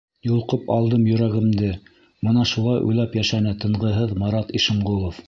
Йолҡоп алдым йөрәгемде Бына шулай уйлап йәшәне тынғыһыҙ Марат Ишемғолов.